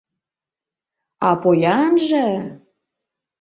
А поянже!..